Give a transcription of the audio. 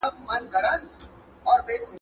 د ښې څېړني لپاره زیار او هڅې ته اړتیا ده.